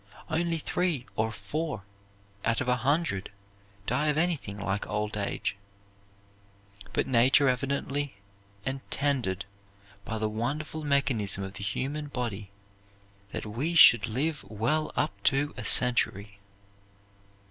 Only three or four out of a hundred die of anything like old age. But Nature evidently intended, by the wonderful mechanism of the human body, that we should live well up to a century.